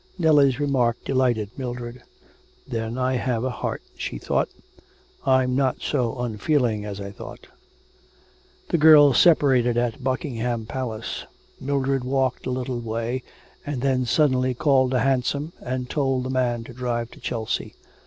Nellie's remark delighted Mildred, 'Then I have a heart,' she thought, 'I'm not so unfeeling as I thought.' The girls separated at Buckingham Palace. Mildred walked a little way, and then suddenly called a hansom and told the man to drive to Chelsea.